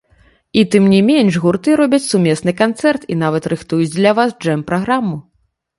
І, тым не менш, гурты робяць сумесны канцэрт і нават рыхтуюць для вас джэм-праграму.